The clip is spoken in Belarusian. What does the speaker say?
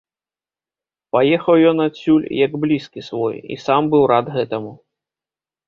Паехаў ён адсюль, як блізкі свой, і сам быў рад гэтаму.